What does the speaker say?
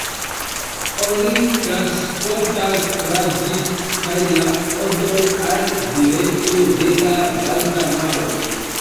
Oni transportas tra ĝi kaj la Odro al direkto de la Balta maro.